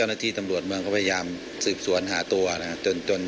หากผู้ต้องหารายใดเป็นผู้กระทำจะแจ้งข้อหาเพื่อสรุปสำนวนต่อพนักงานอายการจังหวัดกรสินต่อไป